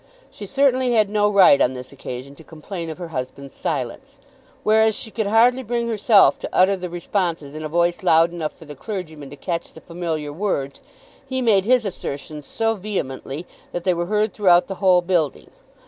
She certainly had no right on this occasion to complain of her husband's silence. Whereas she could hardly bring herself to utter the responses in a voice loud enough for the clergyman to catch the familiar words, he made his assertions so vehemently that they were heard throughout the whole building.